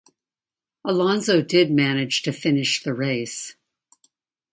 Alonso did manage to finish the race.